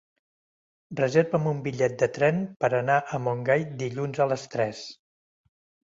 Reserva'm un bitllet de tren per anar a Montgai dilluns a les tres.